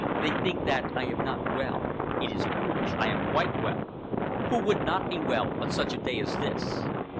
They think that I am not well. It is foolish. I am quite well. Who would not be well on such a day as this?